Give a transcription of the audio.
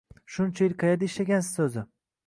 Shuncha yil qaerda ishlagansiz o`zi